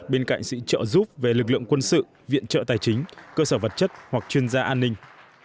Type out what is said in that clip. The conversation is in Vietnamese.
bên cạnh sự trợ giúp về lực lượng quân sự viện trợ tài chính cơ sở vật chất hoặc chuyên gia an ninh